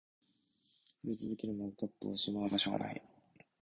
増え続けるマグカップをしまう場所が無い